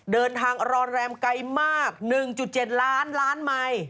เดินทางรอนแรมไกลมาก๑๗ล้านล้านไมค์